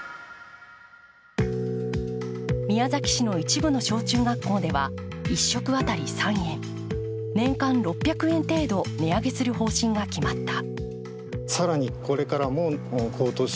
宮崎市の一部の小中学校では１食当たり３円、年間６００円程度、値上げする方針が決まった。